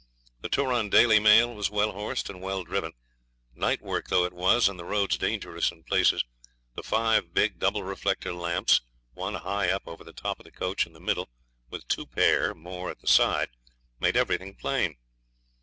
The Turon daily mail was well horsed and well driven. Nightwork though it was, and the roads dangerous in places, the five big double reflector lamps, one high up over the top of the coach in the middle with two pair more at the side, made everything plain.